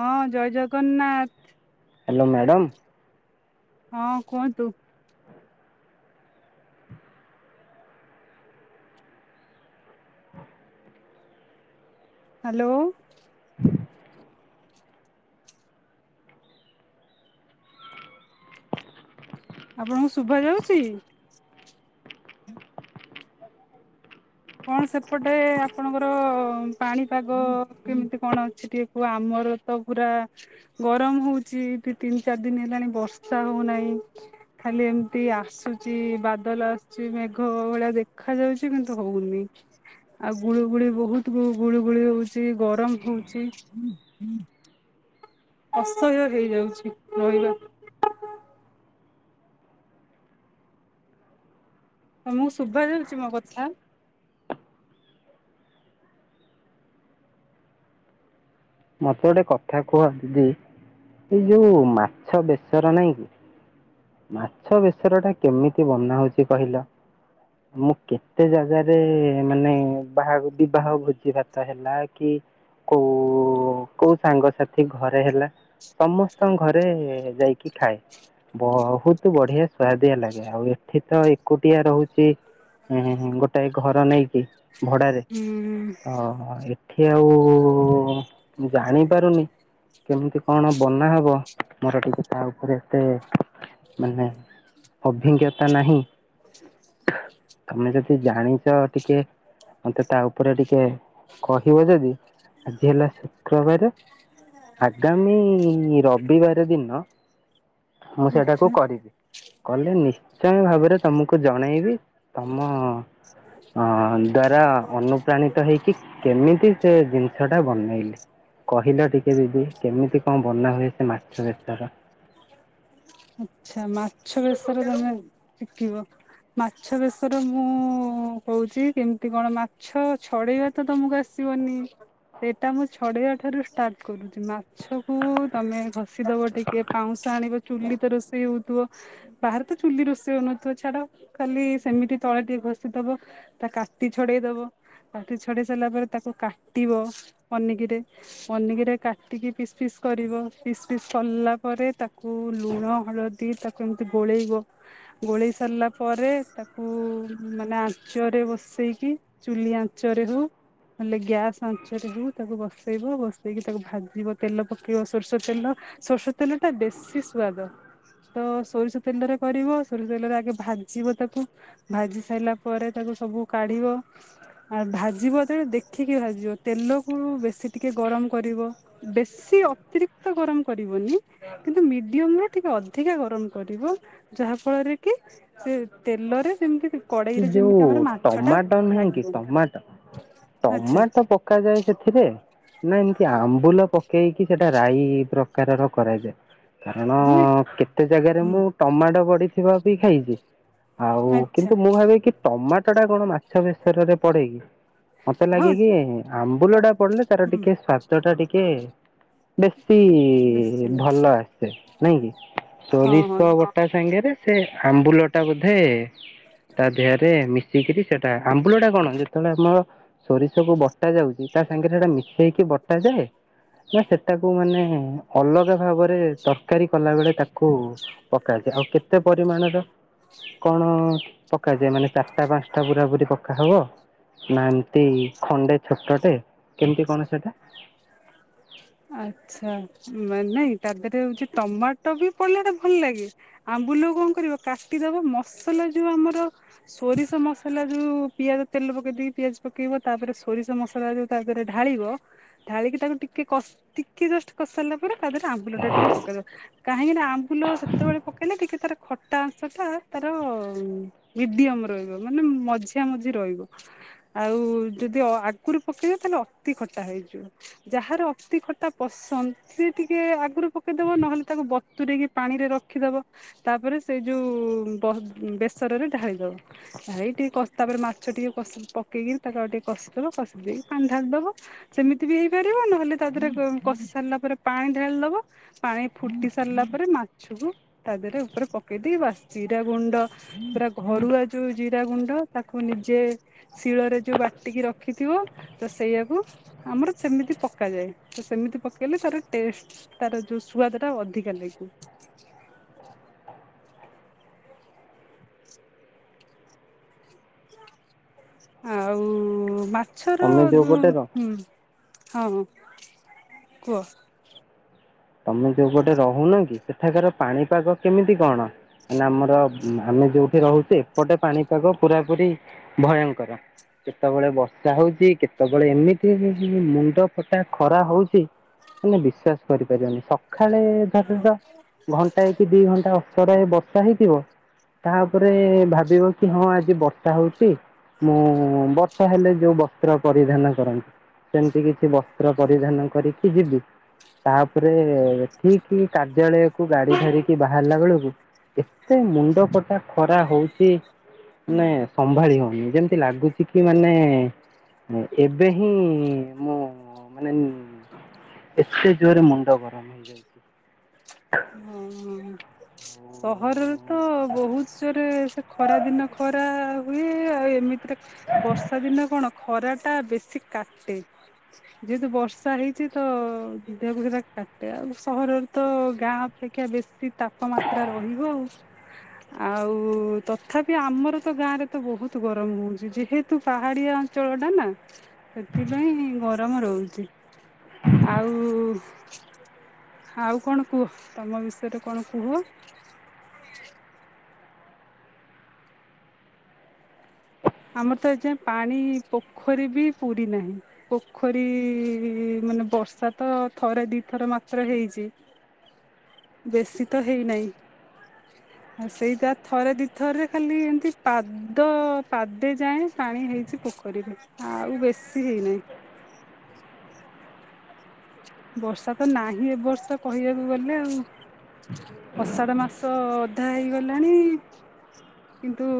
ହଁ ଜୟ Jagannath. Hello madam. ହଁ କୁହନ୍ତୁ। ହାଲୋ। ଆପଣଙ୍କୁ ଶୁଭା ଯାଉଚି? କଣ ସେପଟରେ ଆପଣଙ୍କର ପାଣିପାଗ କେମିତି କଣ ଅଛି ଟିକେ କୁହ ଆମ ଘର ତ ପୁରା ଗରମ ହଉଚି ଦି ତିନି ଚାରି ଦିନ ହେଲାଣି ବର୍ଷା ହଉନାହିଁ। ଖାଲି ଏମିତି ଆସୁଚି ବାଦଲ ଆସୁଚି ମେଘ ଅ ଭଳିଆ ଦେଖା ଯାଉଚି କିନ୍ତୁ ହଉନି ଆଉ ଗୁଳୁଗୁଳି ବହୁତ ଗୁଳିୁ ଗୁଳି ହଉଚି ଗରମ ହଉଚି ହୁଁ। [unintelligible] ଅସହ୍ୟ ହେଇଯାଉଛି ରହିବା। ତମକୁ ଶୁଭା ଯାଉଚି ମୋ କଥା? ମତେ ଗୋଟେ କଥା କୁହ, ଦିଦି। ଏଇ ଯୋଉ, ମାଛ ବେସର ନାଇଁ କି। ମାଛ ବେସର ଟା, କେମିତି ବନା ହଉଚି କହିଲ? ମୁଁ କେତେ ଜାଗାରେ, ମାନେ ବାହା ବିବାହ ଭୋଜି ଭାତ ହେଲା, କି କୋଉ, କୋଉ ସାଙ୍ଗସାଥି ଘରେ ହେଲା। ସମସ୍ତଙ୍କ ଘରେ ଯାଇକି ଖାଏ। ବହୁତ ବଢିଆ ସୁଆଦିଆ ଲାଗେ। ଆଉ ଏଠି ତ ଏକୁଟିଆ ରହୁଚି। ଉଁ ହୁଁ। ଗୋଟାଏ ଘର ନେଇକି। ଭଡାରେ? ହୁଁ ହଁ। ହଁ, ଏଠି ଆଉ ଜାଣି ପାରୁନି। କେମିତି କଣ ବନା ହବ। ମୋର ଟିକେ ତା ଉପରେ ଏତେ ମାନେ, ଅଭିଜ୍ଞତା ନାହିଁ। ତମେ ଯଦି ଜାଣିଚ, ଟିକେ ମତେ ତା ଉପରେ ଟିକେ କହିବ ଯଦି, ଆଜି ହେଲା ଶୁକ୍ରବାରେ ଆଗାମୀ, ରବିବାର ଦିନ ମୁଁ ସେଇଟାକୁ ଆଛା କରିବି। କଲେ ନିଶ୍ଚୟ ଭାବରେ ତମକୁ ଜଣେଇବି। ତମ ଅ ଦ୍ଵାରା, ଅନୁପ୍ରାଣିତ ହେଇକି। କେମିତି ସେ ଜିନିଷ ଟା ବନେଇଲି କହିଲ ଟିକେ ଦିଦି। କେମିତି କଣ ବନା ହୁଏ। ସେ ମାଛ ବସର। ଆଛା, ମାଛ ବସର ତମେ ଶିଖିବ। ମାଛ ବେସର। ମୁଁ କହୁଛି କେମିତି କଣ, ମାଛ ଛଡେଇବା ତ ତମକୁ ଆସି ଜିବନି [unintelligible] ସେଇଟା, ମୁଁ ଛଡେଇବା ଠାରୁ ଷ୍ଟାର୍ଟ କରୁଛି। ମାଛକୁ ତମେ ଘଷିଦବ ଟିକେ ପାଉଁଶ ଆଣ, ଚୁଲି ତ ର ରଷେଇ ହଉଥିବ। ବାହାରେ ତ ଚୁଲି ରୋଷେଇ ହଉନଥିବ, ଛାଡ ଖାଲି ସେମିତି ତଳେ ଟିକେ ଘଷିଦବ। ତା କାଟି ଛଡେଇ ଦବ। କାଟି ଛଡେଇ ସାରିଲା ପରେ, ତାକୁ କାଟିବ ପନିକିରେ। ପନିକିରେ କାଟିକି ପିସ୍ ପିସ୍ କରିବ। ପିସ୍ ପିସ୍ କଲା ପରେ ତାକୁ ଲୁଣ ହଳଦୀ ତାକୁ ଏମିତି ଗୋଳେଇବ। ଗୋଳେଇ ସାରିଲା ପରେ ତାକୁ ମାନେ ଚରେ ବସେଇକି, ଚୁଲି ଆଚରେ ହଉ ହେଲେ ଗ୍ୟାସ୍ ଆଞ୍ଚରେ, ଯଉ ତାକୁ ବସେଇବ। ବସେଇକି ତାକୁ ଭାଜିବ, ତେଲ ପକେଇବ ସୋରଷ ତେଲ ସୋରିଷ ତେଲ ଟା ଦେଶୀ ସୁଆଦ। ତ ସୋରିଷ ତେଲରେ କରିବ। ସୋରିଷ ତେଲରେ ଆଗେ ଭାଜିବ ତାକୁ, ଭାଜି ସାରିଲା ପରେ, ତାକୁ ସବୁ କାଢିବ। ଆ ଭାଜିବ ଯେତେବେଳେ ଦେଖିକି ଭାଜିବ, ତେଲକୁ ବେଶୀ ଟିକେ ଗରମ କରିବ। ବେଶୀ ଅତିରିକ୍ତ ଗରମ କରିବନି, କିନ୍ତୁ ମିଡିୟମରେ ଟିକେ ଅଧିକା ଗରମ କରିବ। ଯାହା ଫଳରେ କି ସେ ତେଲରେ ଯେମିତି ଏ କଡେଇରେ ଯୋଉ ଯେମିତି ଆମର ମାଛ ଟା ଟମାଟୋ ନହିଁ କି, ଲାଗିବନି ଟମାଟୋ ଆଚ୍ଛା ଟମାଟୋ ପକାଯାଏ ସେଥିରେ, ନାାଇ ଏମତି ଆମ୍ବୁଲ ପ ପ କେେଇକି, ସେଇଟା ରାଇ ପ୍ରକାରର କରାଯାଏ। କାରଣ ଦୁଇ କେତେ ଜାଗାରେ, ହୁଁ ମୁଁ ଟମାଟୋ ପଡିଥିବା ବି ଖାଇଛି। ଆଉ ଆଚଛା। କିନ୍ତୁ ମୁଁ ଭାି କି, ଟମାଟୋ ଟା କଣ ମାଛ ବେଶରରେ ପଡେ କିି? ମତେ ହଁ ଲାଗେ କି, ଟ ଆମ୍ବୁଲ ଟା ପଡିଲେ ତାର ହୁଁ ଟିକେ ସ୍ଵାଦ ଟା ଟିକେ ବେଶୀ ବେଶୀ ଲାଗେ ଭଲ ଆସେ ନାଇଁ କି, ହଁ ହଁ ସୋରିଷହ ବଟା ସାଙ୍ଗରେ ସେ ଆମ୍ବୁଲ ଟା ବୋଧେ, ତା ଦେହରେ ମିଶିକିରି, ସେଟା ଆମ୍ବୁଳ ଟା କଣ, ଯେତେବେଳେ ଆମର ସୋରିଷକୁୁ ବଟା ଯାଉଛି, ତା ସାଙ୍ଗରେ ସେଟା ହେଇକି ବଟାାଯାଏ। ନା ସେଟାକୁ ମାନେ ଅଲଗା ଭାବରେ ତରକାରୀ କଲା ବେଳେ, ତାକୁ ପକଏ। ଆଉ କେତେ ପରିମାଣର କଣ ପକାାଯାଏ। ମାନେ ଚାରିଟା, ପାଞ୍ଚଟା ପୁରା ପୀ ପକା ହବ ନା, ଏମତି ଖଣ୍ଡେ ଛୋଟଟେ, କେମିତି କଣ ସେଟା? ଆଛା ମାନେ ତା ପରେ ହଉଛି ଟମାଟୋ ବି ପଡିଲେ ଭଲ ଲାଗେ ଆ ବୁଲ କଣ କରିବ କାଟିଦବା ମସଲା ଯୋଉ ଆମର ସୋରିଷ ମସଲା ଯୋଉ ପିଆଜଟେ ତେଲ ପକେଇ ଦେଇକି ପିଆଜ ପକେଇବ ତାପରେ ସୋରିଷ ମସଲା ଯୋଉ ତାରେ ଢାଳିବ ଢାଳିକି ତାକୁ ଟିକେ କ ଟିକେ ଜଷ୍ଟ କଷାରିଲା ପରେ ତା ଦେହରେ ଆମ୍ବୁଳ ଟା ଟିକେ ପକେଇ ଦେବ କାହିଁକି ନା ଆମ୍ବୁଲ ସେତେବେଳେ ପକେଇଲେ ଟିକେ ତାର ଖଟା ଅଂଶ ଟା ତାର ମିଡିୟମ ରହିବ ମାନେ ମଝିଆ ମଝି ରହିବ ଆଉ ଯଦି ଆଗରୁ ପକେଇବା ତାହେଲେ ଅତି ଖଟା ହେଇଯିବ ଯାହାର ଅତି ଖଟା ପସନ୍ଦ ସେ ଟିକେ ଆଗରୁ ପକେଇଦବ ନହେଲେ ତାକୁ ବତୁରେଇକି ପାଣି ରେ ରଖିଦବ। ତାପରେ ସେଇ ଯୋଉ ବେସରରେ ଢାଳି ଦେବ ଢଳି ଟିକେ ତାପରେ ମାଛଟିକେ ଟିକେ କଷ ପକେଇକି ତାକୁ ଆଉ ଟିକେ କଷିଦେବ କଷି ଦେଇକି ପାଣି ଢାଳି ଦବ ସେମିତି ବି ହେଇପାରିବ ନହେଲେ ତା ଦେହରେ କଷି ସାରିଲା ପରେ ପାଣି ଢାଳି ଦବା ପାଣି ଫୁଟି ସାରିଲା ପରେ ମାଛକୁ ତା ରେ ଉପରେ ପକେଇ ଦେଇ ବାସ୍ ଜିରା ଗୁଣ୍ଡ ପୁରା ଘରୁଆ ଯୋଉ ଜିରା ଗୁଣ୍ଡ ତାକୁ ନିଜେ ଶିଳରେ ଯୋଉ ବାଟିକି ରଖିଥିବ ତ ସେଇଆକୁ ଆମର ସେମିତି ପକାଯାଏ। ତ ସେମିତି ପକେଇଲେ ତାର ଟେଷ୍ଟ ତାର ଯୋଉ ସୁଆାଦ ଟା ଅଧିକା ଲାଗିବ। ହ [inaudible] ଆଉ ମାଛର ତମେ ଯୋଉ ହୁଁ ପଟେ ର ହଁ ହଁ କୁହ ତମେ ଯୋଉ ଗଟେ ରହୁନ କି ସେଠାକାର ପାଣିପାଗ କେମିତି କଣ ମାନେ ଆମର ଆମେ ଯୋଉ ଉଠି ରହୁଛି ଏପଟେ ପାଣିପାଗ ପୁରା ପୁରି ଭୟଙ୍କର କେତେବେଳେ ବର୍ଷା ହଉଛି କେତେବେଳେ ଏମିତି ମୁଣ୍ଡ ଫଟା ଖରା ହଉଛି ମାନେ ବିଶ୍ଵାସ କରିପାରିବନି ସ କାଳେ ଭାବିବା ଘଣ୍ଟାଏ କି ଦି ଘଣ୍ଟା ଅସ୍ତରା ବର୍ଷା ହେଇଥିବ ତାପରେ ଭାବିବ କି ହଁ ଆଜି ବର୍ଷା ହଉଛି ମୁଁ ବର୍ଷ ହେଲେ ଯୋଉ ବସ୍ତ୍ର ପରିଧାନ କରନ୍ତି ସେମିତି କିଛି ବସ୍ତ ପତ୍ର ପରିଧାନ କରିକି ଯିବି ତାପରେ ଏଠିକି କାର୍ଯ୍ୟାଳୟକୁ ଗାଡି ଧରିକି ବାହାରିଲା ବେଳକୁ ଏତେ ମୁଣ୍ଡ ଫଟା ଖରା ହଉଛି ମାନେ ସମ୍ଭାଳିି ହନି ଯେମତି ଲାଗୁଛି କି ମାନେ ଏବେ ହିଁ ମୁଁ ମାନେ ଏତେ ଜୋରରେ ମୁଣ୍ଡ ଗରମ ହେଇଯାଉଛି ହଁ [inaudible] ହୁଁ [inaudible] ସହରରେ ତ ବହୁତ ଜୋରେ ସେ ଖରା ଦିନ ଖରା ହୁଏ ଆଉ ଏମିତି ଏତେ ବର୍ଷା ଦିନ କଣ ଖରା ଟା ବେଶୀ କାଟେ ଯେହେତୁ ବର୍ଷା ହେଇଛି ତ ଦେହକୁ ସେଇଟା ତାତେ ଆଉ ସହରରେ ତ ଗାଁ ଅପେକ୍ଷା ବେଶୀ ତାପମାତ୍ରା ରହିବ ଆଉ ଆଉ ତଥାପି ଆମର ତ ଗାଁରେ ତ ବହୁତ ଗରମ ହଉଛି ଯେହେତୁ ପାହାଡିଆ ଅଞ୍ଚଳ ଟା ନା ସେଥିପାଇଁ ଗରମ ଗରମ ରହୁଛି ଆଉ ଆଉ କଣ କୁହ ତମ ବିଷୟରେ କଣ କୁହ ଆମର ତ ଏ ଯା ପାଣି ପୋଖରୀ ବି ପୁରୀ ନାହିଁ ପୋଖରୀ ମାନେ ବର୍ଷା ତ ଥରେ ଦି ଥର ମାତ୍ର ହେଇଛି ହଁ [inaudible] ବେଶି ତ ହେଇନାହିଁ ଆଉ ସେଇଟା ଥରେ ଦିଥରେରେ ଖାଲି ଏମିତି ପାଦ ପାଦେ ଯାଏ ପାଣି ହେଇଛି ପୋଖରୀକୁ ଆଉ ବେଶୀ ହେଇନି ବର୍ଷା ତ ନାହିଁ ଏ ବର୍ଷା କହିବାକୁ ଗଲେ ଆଉ ଅଷାଢ ମାସ ଅଧା ହେଇଗଲାଣି କିନ୍ତୁ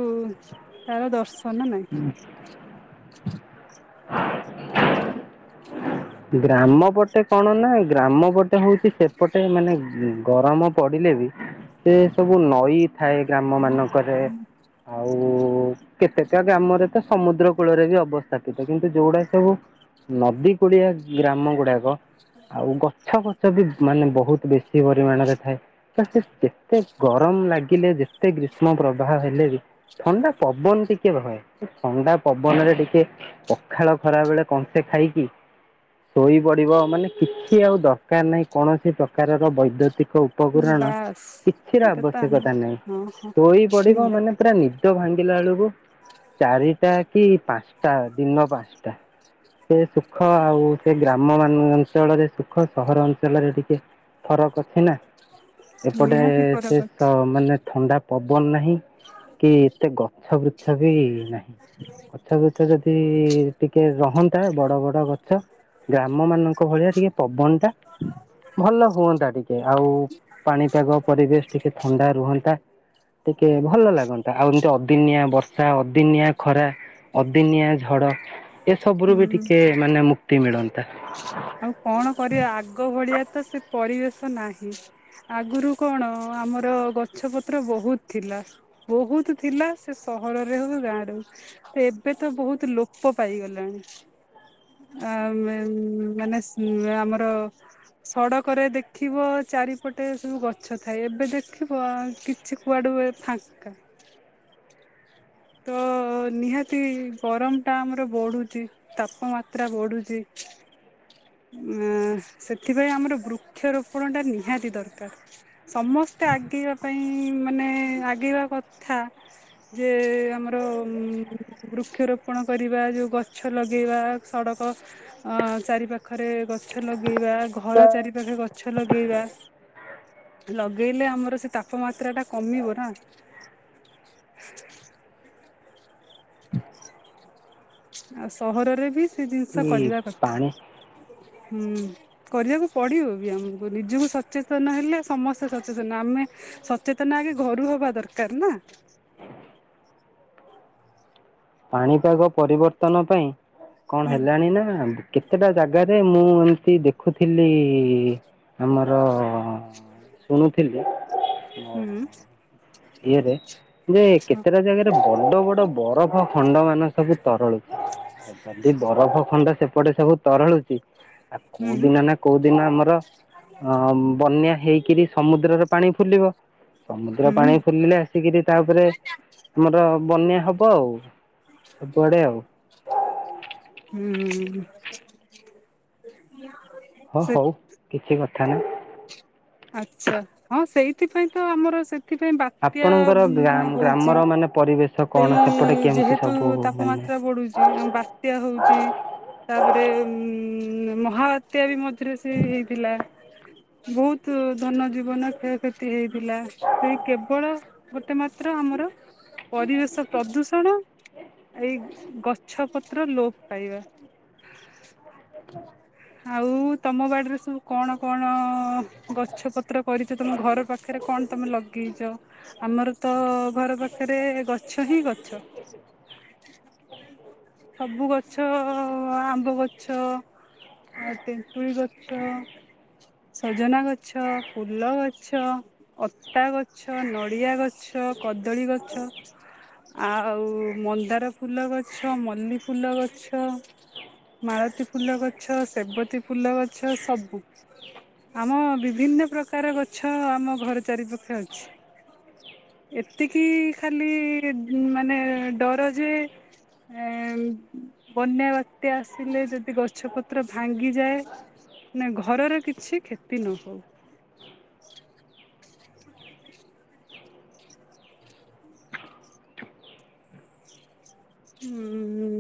ତାର ଦର୍ଶନ ନାଇଁ ଗ୍ରାମ ପଟେ କଣ ନା ଗ୍ରାମ ପଟେ ହେଉଛି ସେପଟେ ମାନେ ଗରମ ପଡ଼ିଲେ ବି ସେ ସବୁ ନଈ ଥାଏ ଗ୍ରାମ ମାନଙ୍କରେ ଅ ଉ କେତେକା ଗ୍ରାମରେ ତ ସମୁଦ୍ର କୂଳରେ ବି ଅବସ୍ଥାପିତ କିନ୍ତୁ ଯୋଉଡା ସବୁ ନଦୀ କୁଡିଆ ଗ୍ରାମ ଗୁଡାକ ଆଉ ଗଛ ବ୍ରୁଛ ବି ମାନେ ବହୁତ ବେଶୀ ପରିମାଣରେ ଥାଏ ତ ସେ ଯେତେ ଗରମ ଲାଗିଲେ ଯେତେ ଗ୍ରୀଷ୍ମ ପ୍ରବାହ ହେଲେ ବି ଥଣ୍ଡା ପବନ ଟିକେ ବହେ ଥଣ୍ଡା ପବନରେ ଟିକେ ପଖାଳ ଖରା ବେଳେ କଣ୍ଟେ ଖାଇକି ଶୋଇ ପଡିବ ମାନେ କିଛି ଆଉ ଦରକାର ନାହିଁ କୌଣସି ପ୍ରକାରର ବୈଦ୍ୟୁତିକ ନାହିଁ ଉପକରଣ ବାସ୍ କିଛିର ସେଇଟା ତ ଆମ ଆବଶ୍ୟକତା ନାହିଁ ହଁ ହଁ ଶୋଇ ପଡିବ ମାନେ ନିହାତି ପୁରା ନିଦ ଭାଙ୍ଗିଲା ବେଳକୁ ଚାରିଟା କି ପାଞ୍ଚଟା ଦିନ ପାଞ୍ଚଟା ସେ ସୁଖ ଆଉ ସେ ଗ୍ରାମ ମାନ ଅଞ୍ଚଳରେ ସୁଖ ସହର ଅଞ୍ଚଳରେ ଟିକେ ଫରକ ଛିନା ଏପଟେ ନିହାତି ସେ ଫରକ ଅଛି ମାନେ ଥଣ୍ଡା ପବନ ନାହିଁ କି ଏତେ ଗଛ ବୃଛ ବି ନାହିଁ ଗଛ ଗୁଛ ଯଦି ଟିକେ ରହନ୍ତା ବଡ ବଡ ଗଛ ଗ୍ରାମ ମାନଙ୍କ ଭଳିଆ ଟିକେ ପବନ ଟା ଭଲ ହୁଅନ୍ତା ଟିକେ ଆଉ ପାଣିପାଗ ପରିବେଶ ଟିକେ ଥଣ୍ଡା ରୁହନ୍ତା କି ଭଲ ଲାଗନ୍ତା ଆଉ ଏମିତି ଅଦିନିଆ ବର୍ଷା ଅଦିନିଆ ଖରା ଅଦିନିଆ ଝଡ଼ ଏସବୁ ରୁ ବି ହୁଁ। ଟିକେ ମାନେ ମୁକ୍ତି ମିଳନ୍ତା ଆଉ କଣ କରିବା ଆଗ ଭଳିଆ ତ ସେ ପରିବେଶ ନାହିଁ ଆଗରୁ କଣ? ଆମର ଗଛ ପତ୍ର ବହୁତ ଥିଲା ବହୁତ ଥିଲା ସେ ସହରରେ ହଉ ଗାଁରେ ହଉ ଏବେ ତ ବହୁତ ଲୋପ ପାଇଗଲାଣି ଆମ ମାନେ ଆମର ସଡ଼କରେ ଦେଖିବ ଚାରିପଟେ ସବୁ ଗଛ ଥାଏ ଏବେ ଦେଖିବ ଆ କିଛି କୁଆଡେଏ ଫାଙ୍କା [inaudible] ତ ତ ନିହାତି ଗରମ ଟା ଆମର ବଢୁଛି ତାପମାତ୍ରା ବଢୁଛି ଉ ସେଥିପାଇଁ ଆମର ବୃକ୍ଷରୋପଣ ଟା ନିହାତି ଦରକାର ସମସ୍ତେ ଆଗେଇିବା ପାଇଁ ମାନେ ଆଗେଇବା କଥା ଯେ ଆମର ଉମ ବୃକ୍ଷରୋପଣ କରିବା ଯୋଉ ଗଛ ଲଗେଇବା ସଡ଼କ ଅ ଚାରି ପାାଖ ପାଖରେ ଗଛ ଲଗେଇବା ଘର ଚାରି ପାାଖରେ ଗଛ ଲଗେଇବା ଲଗେଇଲେ ଆମର ସେ ତାପମାତ୍ରା ଟା କମିବ ନା [inaudible] ଆଉ ସହରରେ ବି ସେ ଜିନିଷ କି କରିବା କଥା। ପାଣି [inaudible] ହୁଁ କରିବାକୁ ପଡିବ ବି ଆମକୁ ନିଜକୁ ସଚେତନ ହେଲେ ସମସ୍ତେ ସଚେତନ ଆମେ ସଚେତନ ଆଗେ ଘରୁ ହବା ଦରକାର ନା ପାଣିପାଗ ପରିବର୍ତ୍ତନ ପାଇଁ କଣ ହୁଁ ହେଲାଣି ନା କେତେଟା ଜାଗାରେ ମୁଁ ଏମିତି ଦେଖୁଥିଲି ଆମର ଶୁଣୁଥିଲି ହୁଁ ଇଏରେ ଯେ କେତେଟା ଜାଗାରେ ବଡ ବଡ ବରଫ ଖଣ୍ଡ ମାନ ସବୁ ତରଳୁଛି ଯଦି ବରଫ ଖଣ୍ଡ ସେପଟେ ସବୁ ତରଳୁଛି ଆଉ କୋଉ ହୁଁ ଦିନ ନା କୋଉିନ ଦିନ ଆମର ଅ ବନ୍ୟା ହେଇକିରି ସମୁଦ୍ରର ପାଣି ଫୁଲିବ ସମୁଦ୍ର ହୁଁ ପାଣି ଫୁଲିଲେ ଆସିକିରି ତାପରେ ଆମର ବନ୍ୟା ହବ ଆଉ ସବୁଆଡେ ଆଉ। [inaudible] ହଁ ସେ ହଉ କିଛି କଥା ନା। ଆଛା ହଁ ସେଇଥିପାଇଁ ତ ଆମର ସେ ସେଥିପାଇ ବାତ୍ୟା ଆପଣଙ୍କର ଉମ ମାନେ ଗ୍ରାମ ହଉଛି ଗ୍ରାମର ମାନେ ପରିବେଶ ସେଇ କ'ଣ ସେପଟେ କେମିତି ଯେହେତୁ ସବୁ ତାପମା ମାନେ ଯାତ୍ରା ପଡୁଛି ଆଉ ବାତ୍ୟା ହଉଛି ତାପରେ ମ ମ ମହାହାତ୍ୟାବି ମଝିରେ ସେ ହେଇଥିଲା ବହୁତ ତ ଧନ ଜୀବନ କ୍ଷୟକ୍ଷତି ହେଇଥିଲା ସେଇ କେବଳ। ମାତ୍ର ଆମର ପରିବେଶ ପ୍ରଦୂଷଣ ଏଇ ଗଛପତ୍ର ଲୋପ ପାଇବା। ଆଉ, ତମ ବାଡିରେ ସବୁ କଣ କଣ ଗଛ ପତ୍ର। କରିଛ, ତୁମ ଘରପାଖରେ କଣ ତମେ ଲଗେଇଛ ଆମର ତ ଘରପାଖରେ ଗଛ ହିଁ ଗଛ ସବୁଗଛ ଆମ୍ବଗଛ ଆଉ ତେତୁଳି ଗଛ ସଜନାଗଛ, ଫୁଲଗଛ, ଅତାଗଛ, ନଡିଆଗଛ କଦଳୀ ଗଛ ଆଉ ମନ୍ଦାରଫୁଲଗଛ, ମଲ୍ଲିୀଫୁଲଗଛ ମାଳତୀଫୁଲଗଛ, ସେବତୀଫୁଲଗଛ ସବୁ ଆମ ବିଭିନ୍ନ ପ୍ରକାର ଗଛ ଆମ ଘର ଚାରିପଖେ ଅଛି [inaudible] ଏତିକି ଖାଲି ମାନେ ଡର ଯେ ଏ ବନ୍ୟାବାତ୍ୟା ଆସିଲେ ଯଦି ଗଛପତ୍ ପତ୍ର ଭାଙ୍ଗିଯାଏ, ନା ଘରର କିଛି କ୍ଷତି ନ ହଉ। [inaudible] [inaudible] ହୁଁ ଉଁ-ଉଁ-ଉଁ